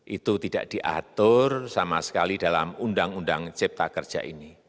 itu tidak diatur sama sekali dalam undang undang cipta kerja ini